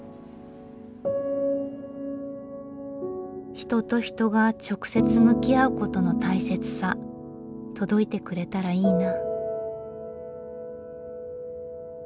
人と人が直接向き合うことの大切さ届いてくれたらいいな。